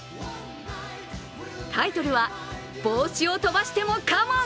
タイトルは「帽子を飛ばしてもカモン！